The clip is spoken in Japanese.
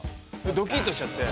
ドキッとしちゃって。